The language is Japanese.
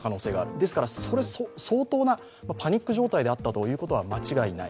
ですから相当なパニック状態であったことは間違いない。